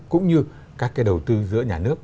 cũng như các cái đầu tư giữa nhà nước